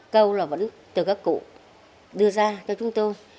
câu là vẫn từ các cụ đưa ra cho chúng tôi